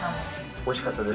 おいしかったです。